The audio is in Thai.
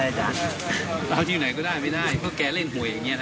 จ้ะเอาที่ไหนก็ได้ไม่ได้เพราะแกเล่นหวยอย่างนี้นะ